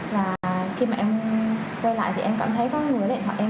và khi mà em quay lại thì em cảm thấy có người lấy điện thoại em